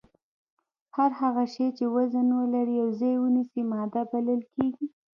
هر هغه شی چې وزن ولري او ځای ونیسي ماده بلل کیږي